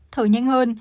thở nhanh hơn